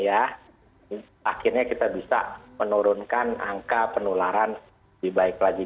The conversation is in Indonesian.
akhirnya kita bisa menurunkan angka penularan lebih baik lagi